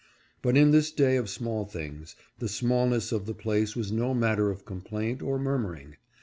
But in this day of small things, the smallness of the place was no matter of complaint or murmuring.